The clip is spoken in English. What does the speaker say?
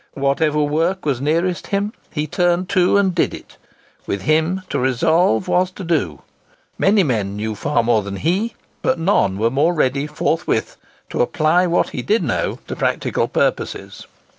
Whatever work was nearest him, he turned to and did it. With him to resolve was to do. Many men knew far more than he; but none were more ready forthwith to apply what he did know to practical purposes.